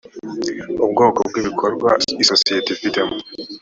ubwoko bw ibikorwa isosiyete ifitemo